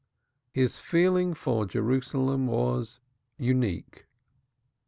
His feeling for Jerusalem was unique.